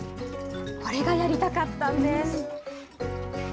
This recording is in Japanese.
これがやりたかったんです。